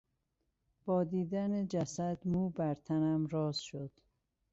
با دیدن جسد مو بر تنم راست شد.